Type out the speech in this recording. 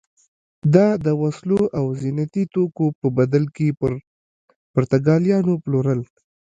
دا د وسلو او زینتي توکو په بدل کې پر پرتګالیانو پلورل.